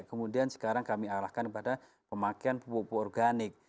kemudian sekarang kami arahkan kepada pemakaian pupuk pupuk organik